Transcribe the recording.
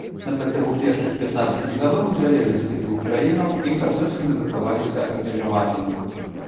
На працягу першых пятнаццаці гадоў незалежнасці дзвюх краінаў, іх адносіны заставаліся абмежаванымі.